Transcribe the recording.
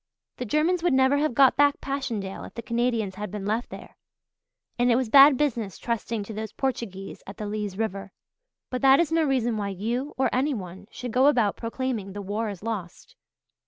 The Germans would never have got back Passchendaele if the Canadians had been left there; and it was bad business trusting to those Portuguese at the Lys River. But that is no reason why you or anyone should go about proclaiming the war is lost.